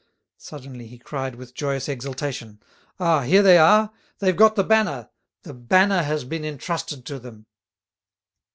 Suddenly he cried with joyous exultation: "Ah, here they are! They've got the banner—the banner has been entrusted to them!"